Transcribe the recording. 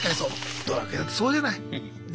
ドラクエだってそうじゃない？ね？